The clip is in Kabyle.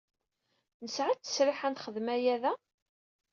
Nesɛa ttesriḥ ad nexdem aya da?